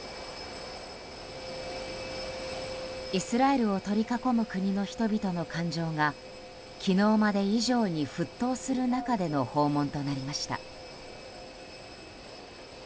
イスラエルを取り囲む国の人々の感情が昨日まで以上に沸騰する中での訪問となりました。